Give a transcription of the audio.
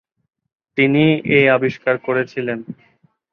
তিনি এ আবিষ্কার করেছিলেন।